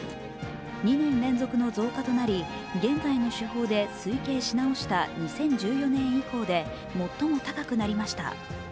２年連続の増加となり現在の手法で推計し直した２０１４年以降で最も高くなりました。